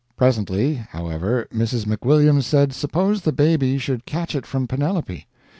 Presently, however, Mrs. McWilliams said suppose the baby should catch it from Penelope?